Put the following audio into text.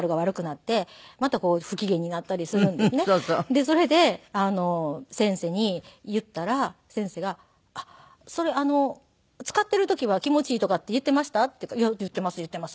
それで先生に言ったら先生が「それつかっている時は“気持ちいい”とかって言っていました？」って言うから「言っています言っています。